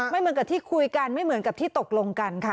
ไม่เหมือนกับที่คุยกันไม่เหมือนกับที่ตกลงกันค่ะ